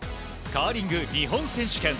カーリング日本選手権。